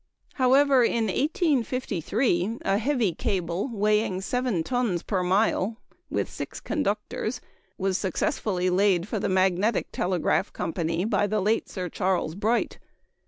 However, in 1853, a heavy cable, weighing 7 tons per mile, with six conductors, was successfully laid for the Magnetic Telegraph Company by the late Sir Charles Bright.